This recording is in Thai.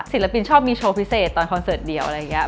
ศิลปินชอบมีโชว์พิเศษตอนคอนเสิร์ตเดียวอะไรอย่างนี้